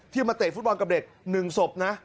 มาเตะฟุตบอลกับเด็ก๑ศพนะ